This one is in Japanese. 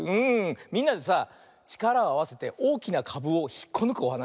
みんなでさちからをあわせておおきなかぶをひっこぬくおはなしだよね。